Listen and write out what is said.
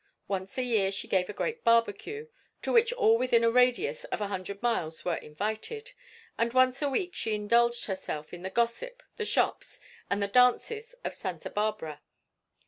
Once a year she gave a great barbecue, to which all within a radius of a hundred miles were invited, and once a week she indulged herself in the gossip, the shops, and the dances of Santa Barbara.